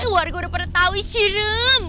warga udah pada tau isyirem